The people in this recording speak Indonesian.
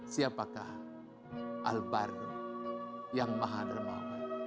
siapakah al baru yang maha dermawan